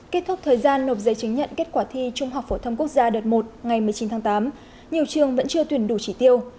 kết thúc thời gian nộp giấy chứng nhận kết quả thi trung học phổ thông quốc gia đợt một ngày một mươi chín tháng tám nhiều trường vẫn chưa tuyển đủ chỉ tiêu